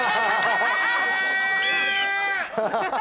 ハハハハ。